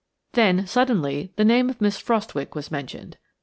Then suddenly the name of Miss Frostwicke was mentioned.